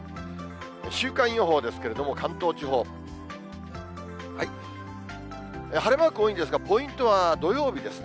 週間予報ですけれども、関東地方、晴れマーク多いんですが、ポイントは土曜日ですね。